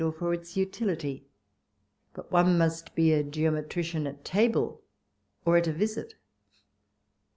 or for its utility, but one must be a geometrician at table, or at a visit!